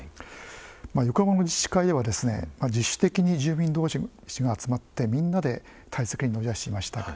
横浜の自治会では自主的に住民同士が集まってみんなで対策に乗り出していました。